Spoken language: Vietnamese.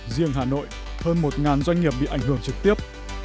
riêng hà nội hơn một doanh nghiệp bị ảnh hưởng trực tiếp